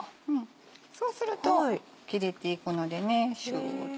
そうすると切れていくのでねシュっと。